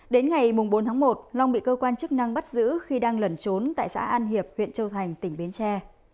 đến ngày bốn tháng một long bị cơ quan chức năng bắt giữ khi đang lẩn trốn tại xã an hiệp huyện châu thành tỉnh bến tre